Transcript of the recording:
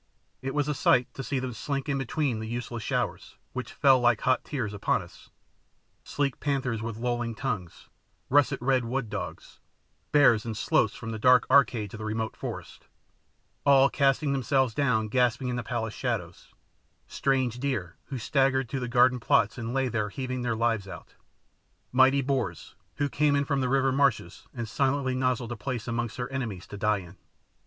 It was a sight to see them slink in between the useless showers, which fell like hot tears upon us sleek panthers with lolling tongues; russet red wood dogs; bears and sloths from the dark arcades of the remote forests, all casting themselves down gasping in the palace shadows; strange deer, who staggered to the garden plots and lay there heaving their lives out; mighty boars, who came from the river marshes and silently nozzled a place amongst their enemies to die in!